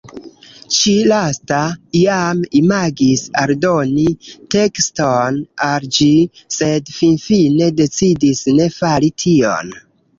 Ĉi-lasta iame imagis aldoni tekston al ĝi, sed finfine decidis ne fari tion.